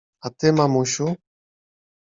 A ty, mamusiu?